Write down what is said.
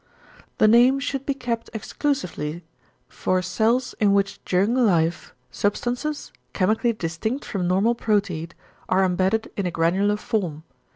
The name should be kept exclusively for cells in which during life substances, chemically distinct from normal proteid, are embedded in a granular form.